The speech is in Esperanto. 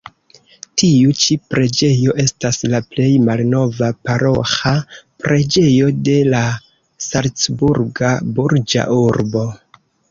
Tiu ĉi preĝejo estas la plej malnova paroĥa preĝejo de la salcburga burĝa urbo.